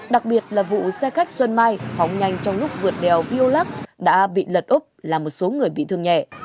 đặc biệt là vụ xe khách xuân mai phóng nhanh trong lúc vượt đèo phiêu lắc đã bị lật úp là một số người bị thương nhẹ